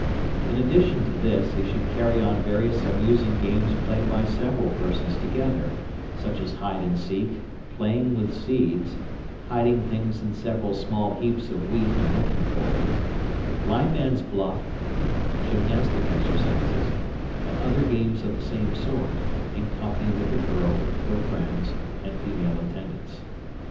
In addition to this, he should carry on various amusing games played by several persons together, such as hide and seek, playing with seeds, hiding things in several small heaps of wheat and looking for them, blind man's buff, gymnastic exercises, and other games of the same sort, in company with the girl, her friends and female attendants.